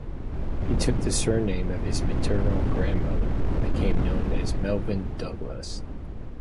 He took the surname of his maternal grandmother and became known as Melvyn Douglas.